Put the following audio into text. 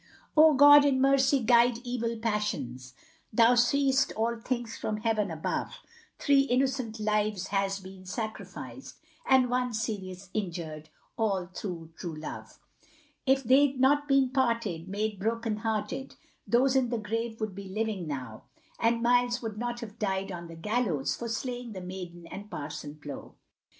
Oh, God, in mercy guide evil passions, Thou seest all things from heaven above, Three innocent lives has been sacrificed, And one serious injured, all through true love, If they'd not been parted, made broken hearted, Those in the grave would be living now, And Miles would not have died on the gallows, For slaying the maiden and Parson Plow.